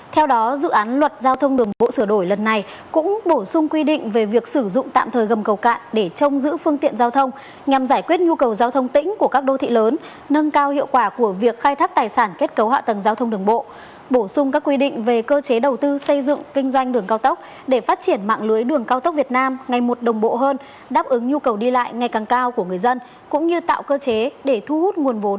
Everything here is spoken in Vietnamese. theo đó dự án luật giao thông đường bộ sửa đổi lần này cũng bổ sung quy định về việc sử dụng tạm thời gầm cầu cạn để trông giữ phương tiện giao thông nhằm giải quyết nhu cầu giao thông tĩnh của các đô thị lớn nâng cao hiệu quả của việc khai thác tài sản kết cấu hạ tầng giao thông đường bộ bổ sung các quy định về cơ chế đầu tư xây dựng kinh doanh đường cao tốc để phát triển mạng lưới đường cao tốc việt nam ngày một đồng bộ hơn đáp ứng nhu cầu đi lại ngày càng cao của người dân cũng như tạo cơ chế để thu hút nguồn v